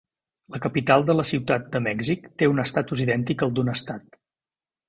La capital de la Ciutat de Mèxic té un estatus idèntic al d'un estat.